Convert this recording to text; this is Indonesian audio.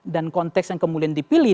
dan konteks yang kemudian dipilih